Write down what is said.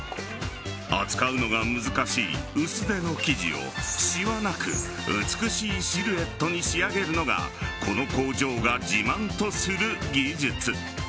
扱うのが難しい薄手の生地をシワなく美しいシルエットに仕上げるのがこの工場が自慢とする技術。